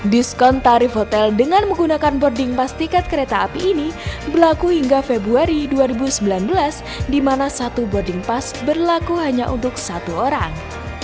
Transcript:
diskon tarif hotel dengan menggunakan boarding pass tiket kereta api ini berlaku hingga februari dua ribu sembilan belas di mana satu boarding pass berlaku hanya untuk satu orang